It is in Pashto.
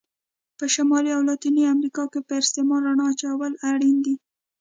په شمالي او لاتینې امریکا کې پر استعمار رڼا اچول اړین دي.